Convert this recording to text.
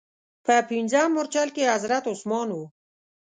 په پنځم مورچل کې حضرت عثمان و.